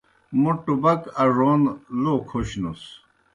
موں ٹُبَک اڙون لو کھوشنُس۔